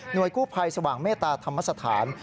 โดยกู้ภัยสว่างเมตตาธรรมสถาน